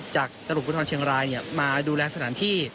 จากตลกกุธรเชียงรายมาดูแลสถานที่